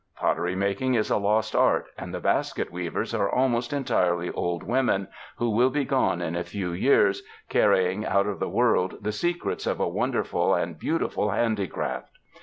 Pottery making is a lost art, and the basket weavers are almost en tirely old women, who will be gone in a few years, carrying out of the world the secrets of a wonder ful and beautiful handicraft.